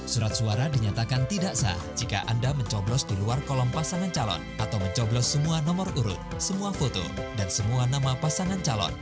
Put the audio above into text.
surat suara dinyatakan tidak sah jika anda mencoblos di luar kolom pasangan calon atau mencoblos semua nomor urut semua foto dan semua nama pasangan calon